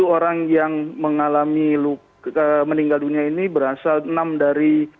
tujuh orang yang mengalami meninggal dunia ini berasal enam dari